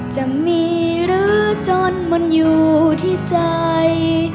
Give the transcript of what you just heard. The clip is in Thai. จะมีหรือจนมันอยู่ที่ใจ